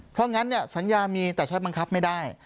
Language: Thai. เพราะงั้นเนี่ยสัญญามีแต่ใช้บังคับไม่ได้